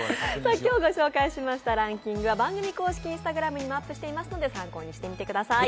今日ご紹介しましたランキングは番組公式Ｉｎｓｔａｇｒａｍにもアップしていますので参考にしてみてください。